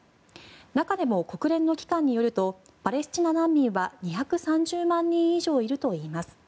中でも国連の機関によるとパレスチナ難民は２３０万人以上いるといいます。